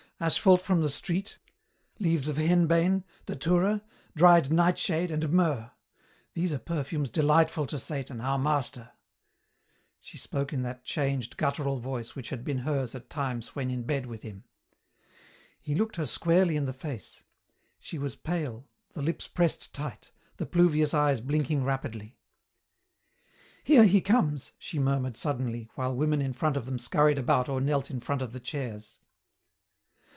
"Asphalt from the street, leaves of henbane, datura, dried nightshade, and myrrh. These are perfumes delightful to Satan, our master." She spoke in that changed, guttural voice which had been hers at times when in bed with him. He looked her squarely in the face. She was pale, the lips pressed tight, the pluvious eyes blinking rapidly. "Here he comes!" she murmured suddenly, while women in front of them scurried about or knelt in front of the chairs.